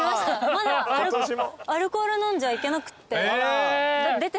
まだアルコール飲んじゃいけなくって出てなくて。